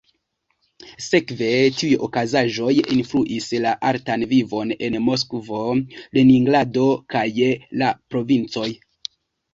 Sekve, tiuj okazaĵoj influis la artan vivon en Moskvo, Leningrado, kaj la provincoj.